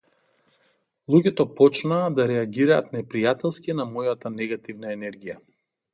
Луѓето почнаа да реагираат непријателски на мојата негативна енергија.